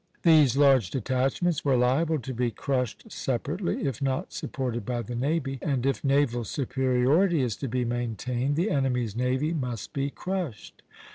These large detachments were liable to be crushed separately, if not supported by the navy; and if naval superiority is to be maintained, the enemy's navy must be crushed.